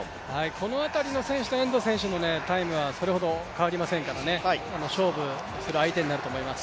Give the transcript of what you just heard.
この辺りの選手と遠藤選手のタイムそれほど変わりませんから勝負する相手になると思います。